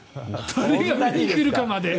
誰が見に来るかまで。